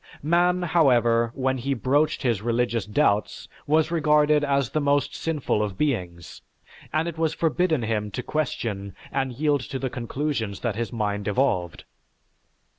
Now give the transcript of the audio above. Man, however, when he broached his religious doubts, was regarded as the most sinful of beings, and it was forbidden him to question and yield to the conclusions that his mind evolved.